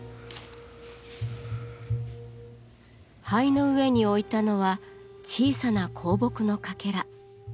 灰の上に置いたのは小さな香木のかけら。